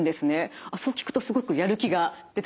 あっそう聞くとすごくやる気が出てきました。